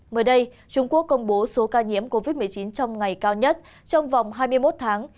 mới đây trung quốc công bố số ca nhiễm covid một mươi chín trong ngày cao nhất trong vòng hai mươi một tháng